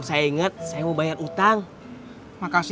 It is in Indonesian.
jalur di surga kamu kasih